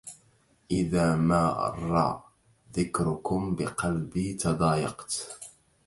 إذا مر ذكراكم بقلبي تضايقت